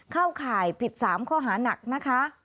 เข้าข่ายผิดสามข้อหานักนะคะ